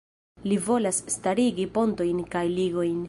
Li volas starigi pontojn kaj ligojn.